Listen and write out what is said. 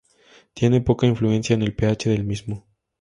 Tiene poca influencia en el pH del mismo.